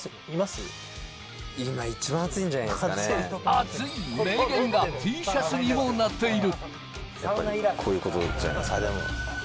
アツい名言がＴシャツにもなっている。